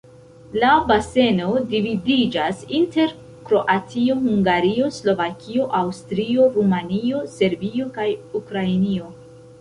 La baseno dividiĝas inter Kroatio, Hungario, Slovakio, Aŭstrio, Rumanio, Serbio kaj Ukrainio.